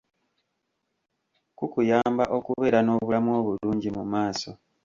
Kukuyamba okubeera n'obulamu obulungi mu maaso.